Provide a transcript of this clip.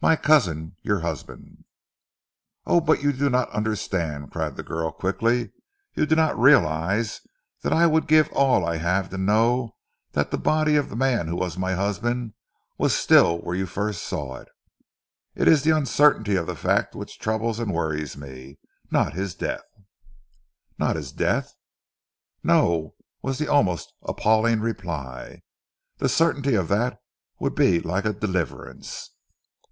My cousin your husband " "Oh! but you do not understand!" cried the girl quickly. "You do not realize that I would give all I have to know that the body of the man who was my husband was still where you first saw it. It is the uncertainty of the fact which troubles and worries me, and not his death." "Not his death!" "No!" was the almost appalling reply. "The certainty of that would be like a deliverance."